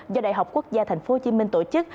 do đại học quốc gia tp hcm tổ chức